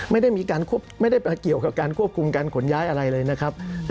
ไม่ได้มีการไม่ได้เกี่ยวกับการควบคุมการขนย้ายอะไรเลยนะครับ